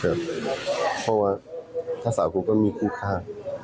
ครับเพราะว่าทัศน์สามคนก็มีผู้ฆ่า